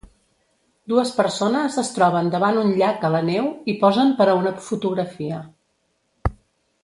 Dues persones es troben davant un llac a la neu i posen per a una fotografia.